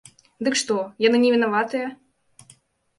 Дык што, яны невінаватыя?